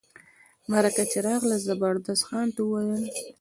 مرکه چي راغله زبردست خان ته وویل.